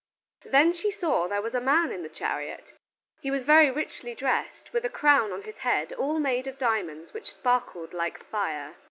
Then she saw there was a man in the chariot. He was very richly dressed, with a crown on his head all made of diamonds which sparkled like fire.